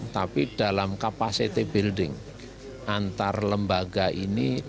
tapi dalam kapasitas pembangunan antar lembaga ini